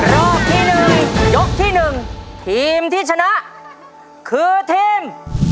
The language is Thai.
รอบที่หนึ่งยกที่หนึ่งทีมที่ชนะคือทีม